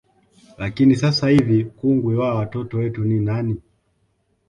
Lakini sasa hivi kungwi wa watoto wetu ni nani